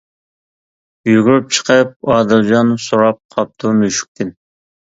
يۈگۈرۈپ چىقىپ ئادىلجان، سوراپ قاپتۇ مۈشۈكتىن.